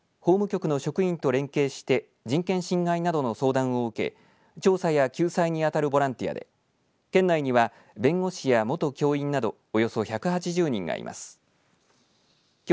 人権擁護委員は法務局の職員と連携して人権侵害などの相談を受け調査や救済に当たるボランティアで県内には弁護士や元教員などおよそ１８０人がいます。